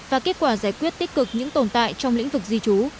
và kết quả giải quyết tích cực những tồn tại